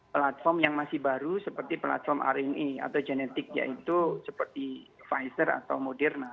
platform yang masih baru seperti platform rni atau genetik yaitu seperti pfizer atau moderna